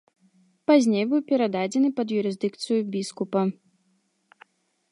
Пазней быў перададзены пад юрысдыкцыю біскупа.